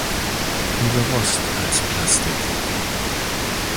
Lieber Rost als Plastik.